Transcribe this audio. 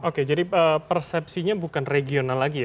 oke jadi persepsinya bukan regional lagi ya